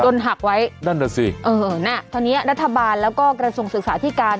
หักไว้นั่นน่ะสิเออน่ะตอนนี้รัฐบาลแล้วก็กระทรวงศึกษาที่การ